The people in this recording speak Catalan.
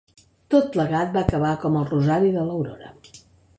Tot plegat va acabar com el rosari de l'aurora.